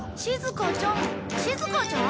しずかちゃん。